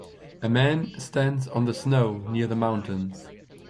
A man stands on the snow near the mountains.